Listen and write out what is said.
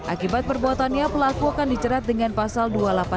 akibat perbuatannya pelaku akan dicerat dengan pasal dua ratus delapan puluh